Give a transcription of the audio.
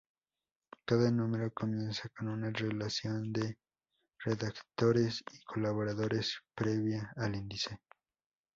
Cada número comienza con una relación de redactores y colaboradores previa al índice.